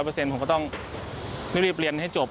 ผมก็ต้องรีบเรียนให้จบ